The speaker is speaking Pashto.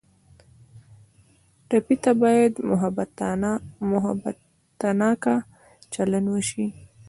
ټپي ته باید محبتناکه چلند وشي.